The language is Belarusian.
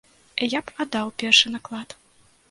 Я б аддаў першы наклад.